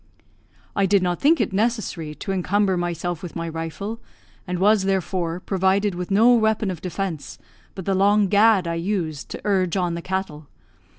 "I did not think it necessary to encumber myself with my rifle, and was, therefore, provided with no weapon of defence but the long gad I used to urge on the cattle.